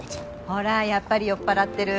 ほらやっぱり酔っぱらってる。